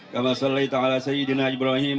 kama salli ta'ala sayyidina ibrahim